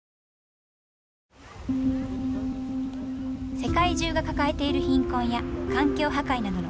世界中が抱えている貧困や環境破壊などの大きな課題。